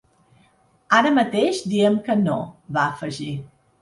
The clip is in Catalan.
Ara mateix diem que no, va afegir.